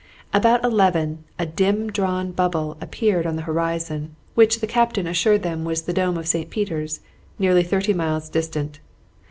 About eleven a dim drawn bubble appeared on the horizon, which the captain assured them was the dome of St. Peter's, nearly thirty miles distant.